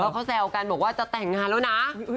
เขาแซวกันบอกว่าจะแต่งงานแล้วนะ